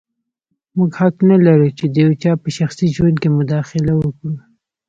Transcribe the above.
موږ حق نه لرو چې د یو چا په شخصي ژوند کې مداخله وکړو.